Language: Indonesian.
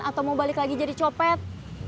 atau mau balik lagi jadi copet